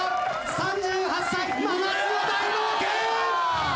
３８歳真夏の大冒険！